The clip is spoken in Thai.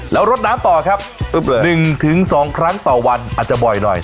แล้วรดน้ำต่อครับอึ๊บเลยหนึ่งถึงสองครั้งต่อวันอาจจะบ่อยหน่อย